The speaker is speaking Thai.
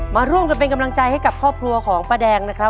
มาร่วมกันเป็นกำลังใจให้กับครอบครัวของป้าแดงนะครับ